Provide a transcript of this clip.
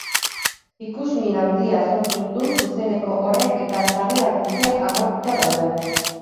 Ikusmin handia sortu du zuzeneko horrek eta sarrera guztiak agortuta daude.